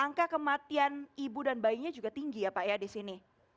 angka kematian ibu dan bayinya juga tinggi ya pak ya di sini